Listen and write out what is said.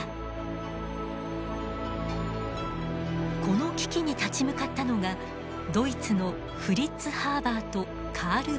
この危機に立ち向かったのがドイツのフリッツ・ハーバーとカール・ボッシュです。